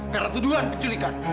karena tuduhan keculikan